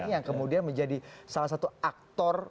yang kemudian menjadi salah satu aktor